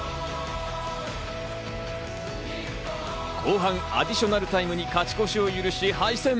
後半アディショナルタイムに勝ち越しを許し、敗戦。